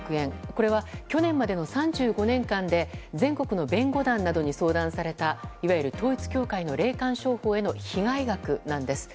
これは、去年までの３５年間で全国の弁護団などに相談された、いわゆる統一教会の霊感商法への被害額なんです。